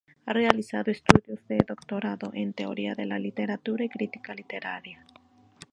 Ha realizado estudios de doctorado en Teoría de la Literatura y Crítica literaria.